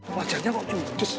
wah jajan kok cuy kecil